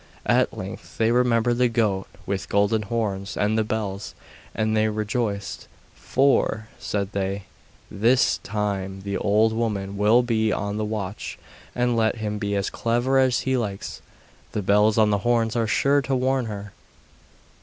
At length they remembered the goat with golden horns and the bells, and they rejoiced; 'For,' said they, 'THIS time the old woman will be on the watch, and let him be as clever as he likes, the bells on the horns are sure to warn her.